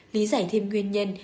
lý giải thêm nguyên nhân